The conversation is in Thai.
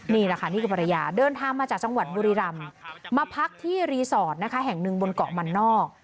นี่แหละค่ะนี่คือภรรยาเดินทางมาจากจังหวัดบุรีรำมาพักที่รีสอร์ทนะคะแห่งหนึ่งบนเกาะมันนอก